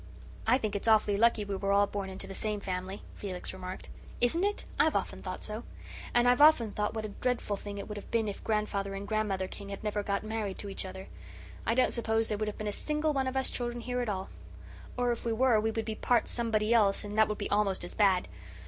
"I think it's awfully lucky we were all born into the same family," Felix remarked. "Isn't it? I've often thought so. And I've often thought what a dreadful thing it would have been if Grandfather and Grandmother King had never got married to each other. I don't suppose there would have been a single one of us children here at all; or if we were, we would be part somebody else and that would be almost as bad.